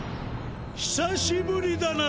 ひさしぶりだな